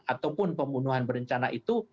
ataupun pembunuhan berencana itu